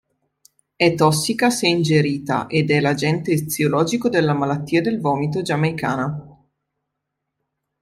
È tossica se ingerita ed è l'agente eziologico della malattia del vomito giamaicana.